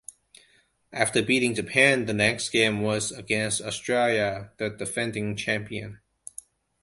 After beating Japan, the next game was against Australia, the defending champion.